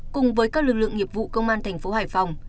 cùng với các lực lượng nghiệp vụ công an tp hải phòng